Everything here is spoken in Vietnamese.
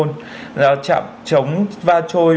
trạm chống va trôi